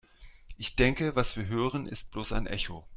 Ich denke, was wir hören, ist bloß ein Echo.